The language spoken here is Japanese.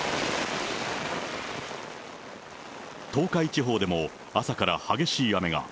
東海地方でも、朝から激しい雨が。